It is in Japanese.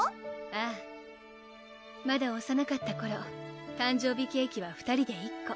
ああまだおさなかった頃誕生日ケーキは２人で１個